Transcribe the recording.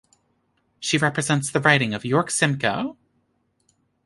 She represents the riding of York-Simcoe.